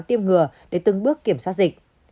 tiêm ngừa để từng bước kiểm soát dịch